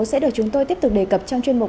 sẽ được chúng tôi tiếp tục đề cập trong chuyên mục